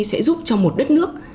sẽ giúp cho một đất nước